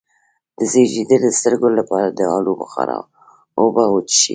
د زیړي د سترګو لپاره د الو بخارا اوبه وڅښئ